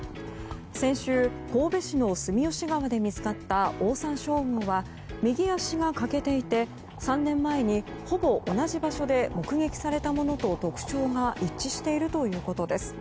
先週、神戸市の住吉川で見つかったオオサンショウウオは右脚が欠けていて３年前にほぼ同じ場所で目撃されたものと特徴が一致しているということです。